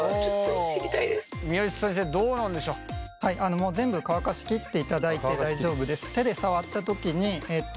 もう全部乾かし切っていただいて大丈夫です。